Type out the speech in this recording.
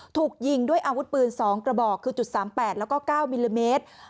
ถูกยิงด้วยอาวุธปืน๒กระบอกคือ๓๘แล้วก็๙มิลลิเมตร